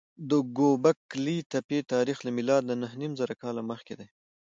د ګوبک لي تپې تاریخ له میلاده نههنیمزره کاله مخکې دی.